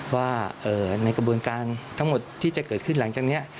ว่าในกระบวนการทั้งหมดที่จะเกิดขึ้นหลังจากนี้